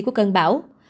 của cơn bão